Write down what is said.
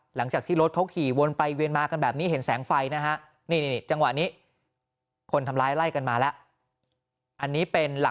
หลังจากที่รถเขาขี่วนไปเวียนมากันแบบนี้เห็นแสงไฟนะฮะ